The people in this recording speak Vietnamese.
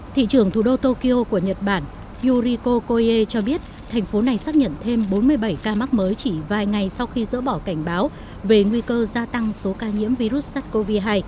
thị trưởng thủ đô tokyo của nhật bản yuriko koei cho biết thành phố này xác nhận thêm bốn mươi bảy ca mắc mới chỉ vài ngày sau khi dỡ bỏ cảnh báo về nguy cơ gia tăng số ca nhiễm virus sars cov hai